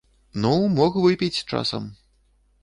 Ну, мог выпіць часам.